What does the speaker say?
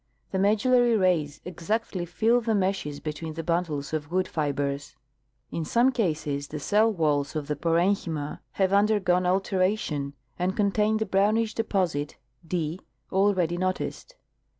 The medullary rays exactly fill the meshes between the bundles of wood fibers. In some cases the cell walls of the parenchyma have undergone alteration, and contain the brownish deposit (d) already noticed.